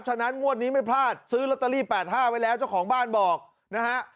ฉะนั้นงวดนี้ไม่พลาดซื้อลอตเตอรี่๘๕ไว้แล้วเจ้าของบ้านบอกนะฮะ